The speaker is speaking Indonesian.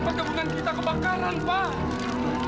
perkebunan kita kebakaran pak